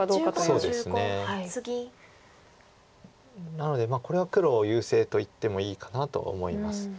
なのでこれは黒優勢といってもいいかなとは思います。